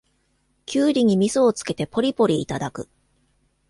キュウリにみそをつけてポリポリいただく